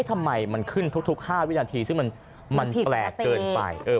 ทำไมมันขึ้นทุก๕วินาทีซึ่งมันแปลกเกินไป